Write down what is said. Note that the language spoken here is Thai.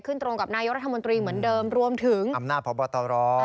ตรงกับนายกรัฐมนตรีเหมือนเดิมรวมถึงอำนาจพบตร